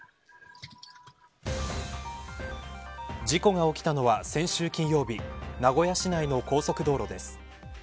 事故が起きたのは先週金曜日名古屋市内の高速道路です。